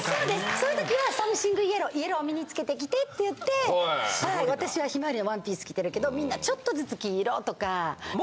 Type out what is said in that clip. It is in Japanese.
そういう時はサムシングイエローイエロー身に着けてきてって言って私はひまわりのワンピース着てるけどみんなちょっとずつ黄色とか。